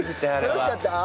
楽しかった？